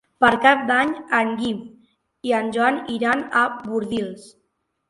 Per Cap d'Any en Guim i en Joan iran a Bordils.